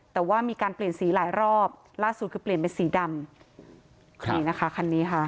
แต่ว่ามีการเปลี่ยนสีหลายรอบล่าสุดคือเปลี่ยนเป็นสีดำนี่นะคะคันนี้ค่ะ